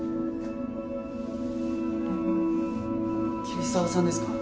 桐沢さんですか？